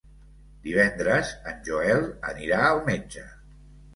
Divendres en Joel anirà al metge.